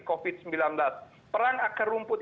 covid sembilan belas perang akar rumput